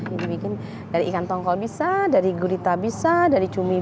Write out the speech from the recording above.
ini dibikin dari ikan tongkol bisa dari gurita bisa dari cumi bisa